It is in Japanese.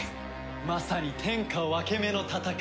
まさに天下分け目の戦い！